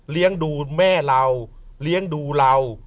เลี้ยงดูแม่เราเลี้ยงดูเรา